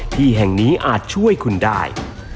ที่แห่งนี้อาจช่วยคุณได้